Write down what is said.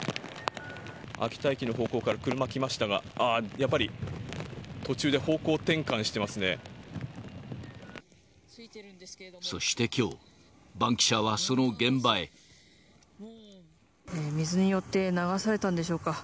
秋田駅の方向から車来ましたが、ああ、やっぱり、途中で方向そしてきょう、バンキシャは水によって流されたんでしょうか。